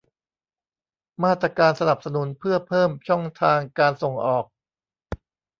มาตรการสนับสนุนเพื่อเพิ่มช่องทางการส่งออก